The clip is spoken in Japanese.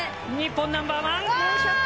日本ナンバーワン。